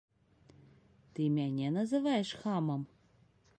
Ты мяне называеш хамам?